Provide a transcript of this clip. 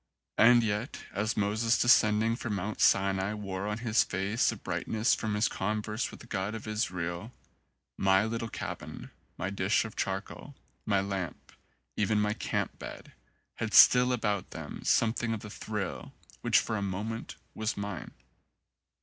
And yet, as Moses descending from Mount Sinai wore on his face a brightness from his converse with the God of Israel, my little cabin, my dish of charcoal, my lamp, even my camp bed, had still about them something of the thrill which for a moment was mine.